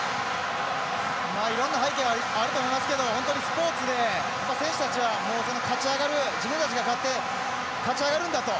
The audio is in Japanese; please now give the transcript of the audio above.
いろんな背景あると思いますけど本当にスポーツで選手たちは自分たちが勝って勝ち上がるんだと。